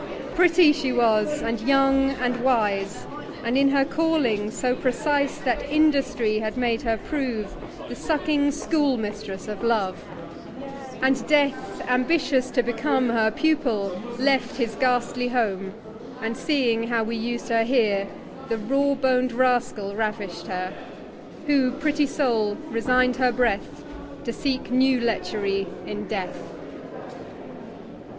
Pretty she was, and young, and wise, And in her Calling so precise, That Industry had made her prove The sucking School Mistress of Love : And Death, ambitious to become Her Pupil, left his Ghastly home, And, seeing how we us'd her here, The raw bon'd Rascal ravisht her. Who, pretty Soul, resign'd her Breath, To seek new Letchery in Death.